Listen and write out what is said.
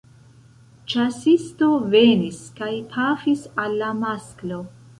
Ĉasisto venis kaj pafis al la masklo.